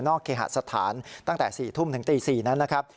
เคหสถานตั้งแต่๔ทุ่มถึงตี๔นั้นนะครับ